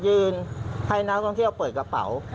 ให้นักท่องเที่ยวเปิดกระเป๋า